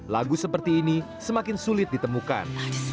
lagu seperti ini semakin sulit ditemukan